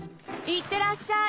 いってらっしゃい。